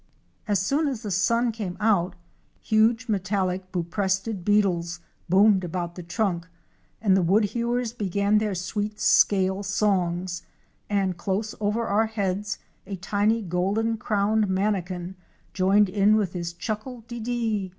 As soon as the sun came out, huge metallic Buprestid beetles boomed about the trunk and the Woodhewers began their sweet scale songs, and close over our heads a tiny Golden crowned Manakin "° joined in with his Chuckle de deé!